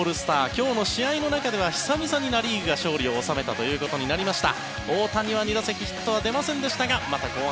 今日の試合の中では久々にナ・リーグが勝利を収めたということになりました。